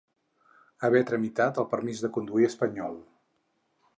Haver tramitat el permís de conducció espanyol.